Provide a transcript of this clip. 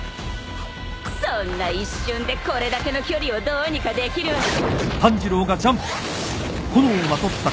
そんな一瞬でこれだけの距離をどうにかできるわけ